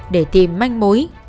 để tìm manh mối